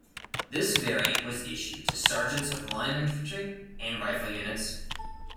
This variant was issued to sergeants of line infantry and rifle units.